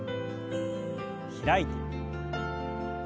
開いて。